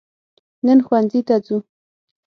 نن ښوونځي ته ځو